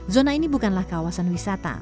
zona ini bukanlah kawasan wisata